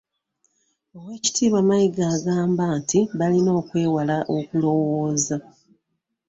Oweekitiibwa Mayiga agamba nti balina okwewala okulowooza